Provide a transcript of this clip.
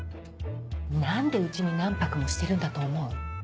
何でうちに何泊もしてるんだと思う？